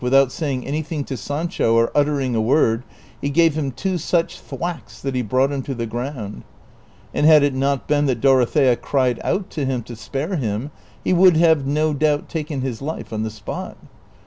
253 without saying anything to Saneho or uttering a word, he gave him two such thwacks that he brought him to the ground ; and had it not been that Dorothea cried out to him to spare him he wouhl have no doubt taken his life on the spot.